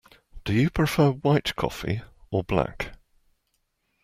Do you prefer white coffee, or black?